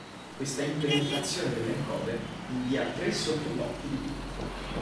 Questa implementazione dell'encoder invia tre sotto-blocchi di bit.